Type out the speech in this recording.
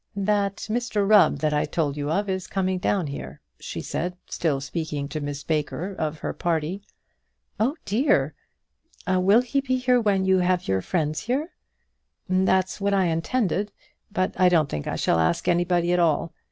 "That Mr Rubb that I told you of is coming down here," she said, still speaking to Miss Baker of her party. "Oh, dear! will he be here when you have your friends here?" "That's what I intended; but I don't think I shall ask anybody at all.